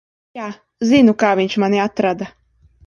Jā, zinu, kā viņš mani atrada.